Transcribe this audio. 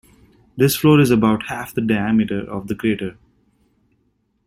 This floor is about half the diameter of the crater.